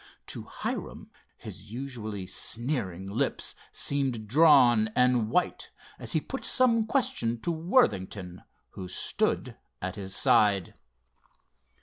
To Hiram his usually sneering lips seemed drawn and white as he put some question to Worthington, who stood at his side.